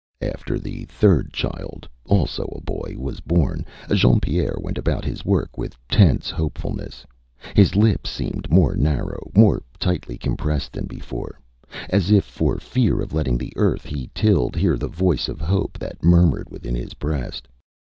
Â After the third child, also a boy, was born, Jean Pierre went about his work with tense hopefulness. His lips seemed more narrow, more tightly compressed than before; as if for fear of letting the earth he tilled hear the voice of hope that murmured within his breast.